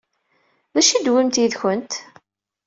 D acu i d-tewwimt yid-kent?